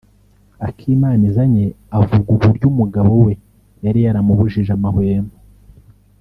Akimanizanye avuga uburyo umugabo we yari yaramubujije amahwemo